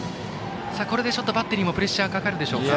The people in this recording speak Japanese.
これでバッテリーもプレッシャーがかかるでしょうか。